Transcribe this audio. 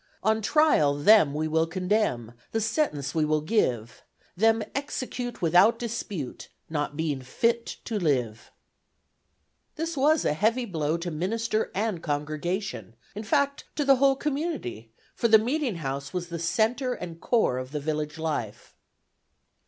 On trial them we will condemn, The sentence we will give: Them execute without dispute, Not being fit to live. This was a heavy blow to minister and congregation, in fact to the whole community; for the meeting house was the centre and core of the village life.